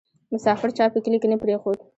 ـ مسافر چا په کلي کې نه پرېښود